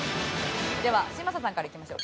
では嶋佐さんからいきましょう。